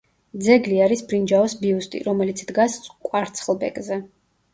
ძეგლი არის ბრინჯაოს ბიუსტი, რომელიც დგას კვარცხლბეკზე.